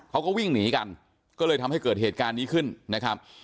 เขาก็วิ่งหนีกันก็เลยทำให้เกิดเหตุการณ์นี้ขึ้นนะครับ